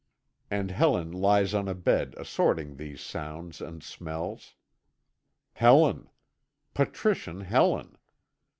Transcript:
And Helen lies on a bed assorting these sounds and smells. Helen! Patrician Helen!